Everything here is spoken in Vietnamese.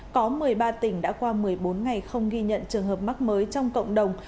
có một mươi ba tỉnh đã qua một mươi bốn ngày không ghi nhận trường hợp mắc mới trong cộng đồng